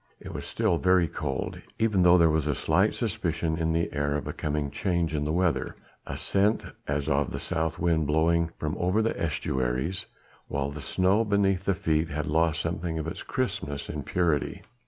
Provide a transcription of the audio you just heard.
It was still very cold, even though there was a slight suspicion in the air of a coming change in the weather: a scent as of the south wind blowing from over the estuaries, while the snow beneath the feet had lost something of its crispness and purity.